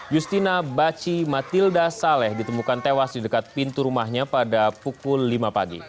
justina baci matilda saleh ditemukan tewas di dekat pintu rumahnya pada pukul lima pagi